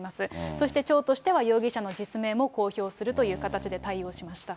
そして町としては容疑者の実名も公表するという形で対応しました。